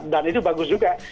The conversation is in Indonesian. dan itu bagus juga